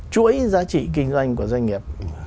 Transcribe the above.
chuỗi giá trị kinh doanh của doanh nghiệp